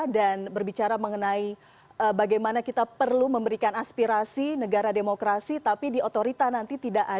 dan berbicara mengenai bagaimana kita perlu memberikan aspirasi negara demokrasi tapi di otorita nanti tidak ada